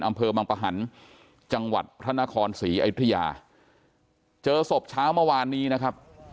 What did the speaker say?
อำเภอบังปะหันจังหวัดพระนครศรีอยุธยาเจอศพเช้าเมื่อวานนี้นะครับ